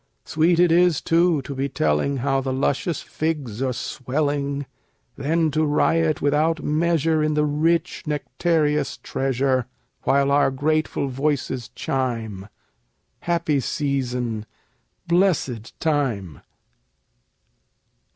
Sweet it is, too, to be telling, How the luscious figs are swelling; Then to riot without measure In the rich, nectareous treasure, While our grateful voices chime, Happy season! blessed time.